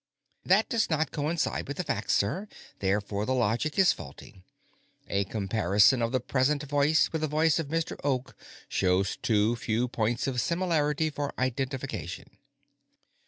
"That does not coincide with the facts, sir, therefore the logic is faulty. A comparison of the present voice with the voice of Mr. Oak shows too few points of similarity for identification."